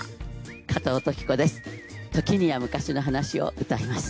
加藤登紀子です。